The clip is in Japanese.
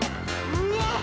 うわっ！